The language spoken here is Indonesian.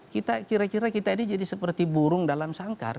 kita kira kira kita ini jadi seperti burung dalam sangkar